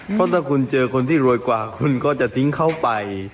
เพราะถ้าคุณเจอคนที่รวยกว่าคุณก็จะทิ้งเขาไป